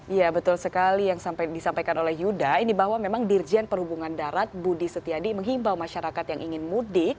ya betul sekali yang disampaikan oleh yuda ini bahwa memang dirjen perhubungan darat budi setiadi menghimbau masyarakat yang ingin mudik